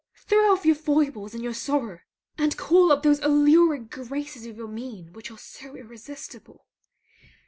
Throw off your foibles and your sorrow; and call up those alluring graces of your mien which are so irresistible.